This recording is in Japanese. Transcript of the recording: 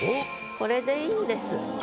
これで良いんです。